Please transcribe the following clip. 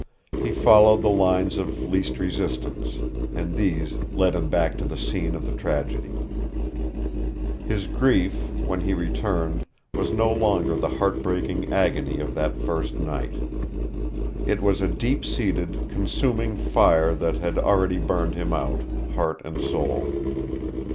He followed the lines of least resistance, and these led him back to the scene of the tragedy. His grief, when he returned, was no longer the heartbreaking agony of that first night. It was a deep seated, consuming fire that had already burned him out, heart and soul.